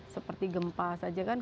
seperti gempa saja kan